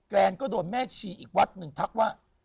รนก็โดนแม่ชีอีกวัดหนึ่งทักว่า